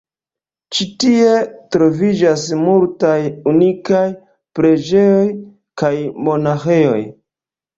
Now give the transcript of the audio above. Ĉi tie troviĝas multaj unikaj preĝejoj kaj monaĥejoj.